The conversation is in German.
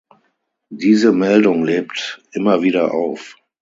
Diese Meldung lebt immer wieder auf.